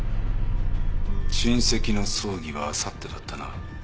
親戚の葬儀はあさってだったな。